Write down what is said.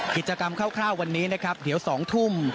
กิจกรรมคร่าววันนี้นะครับเดี๋ยว๒ทุ่ม